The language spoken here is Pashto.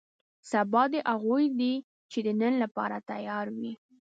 سبا دې هغو دی چې د نن لپاره تیار وي.